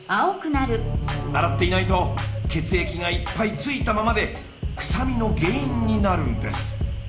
洗っていないと血液がいっぱいついたままで臭みの原因になるんです。